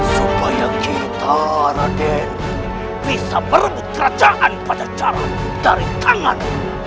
supaya kita raden bisa merebut kerajaan pada cara dari tangan